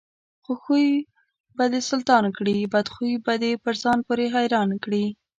ښه خوى به دسلطان کړي، بدخوى به دپرځان پورې حيران کړي.